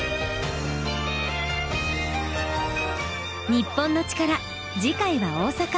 『日本のチカラ』次回は大阪。